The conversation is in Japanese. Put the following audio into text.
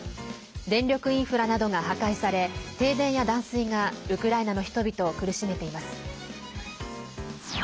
電力インフラなどが破壊され停電や断水がウクライナの人々を苦しめています。